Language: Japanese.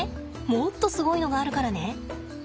もっとすごいのがあるからね。